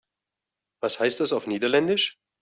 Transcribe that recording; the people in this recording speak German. Was heißt das auf Niederländisch?